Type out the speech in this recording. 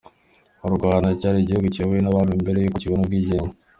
u rwanda cyari igihugu cyiyobowe n'abami mbere yuko kibona ubwigenge.